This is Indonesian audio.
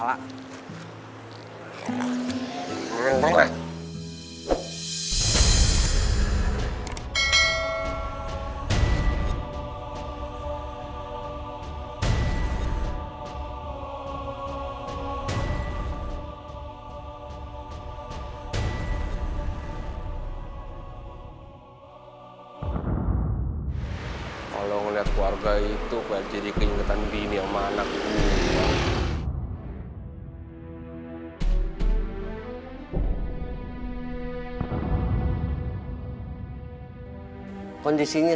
sampai jumpa di video selanjutnya